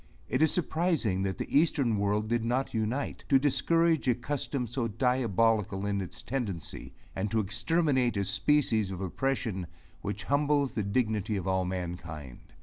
It is surprising that the eastern world did not unite, to discourage a custom so diabolical in its tendency, and to exterminate a species of oppression which humbles the dignity of all mankind.